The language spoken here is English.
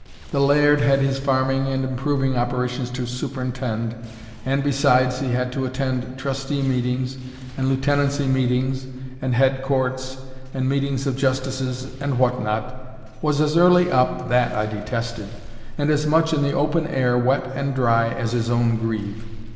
The laird had his farming and improving operations to superintend; and, besides, he had to attend trustee meetings, and lieutenancy meetings, and head courts, and meetings of justices, and what not was as early up, (that I detested,) and as much in the open air, wet and dry, as his own grieve.